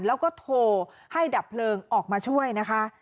แล้วก็โทรให้ดับเพลิงออกมาช่วยนะคะ